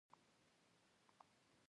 جامې یې شنې یا نسواري وې.